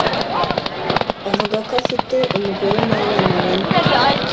avuga ko afite umugore n’abana bane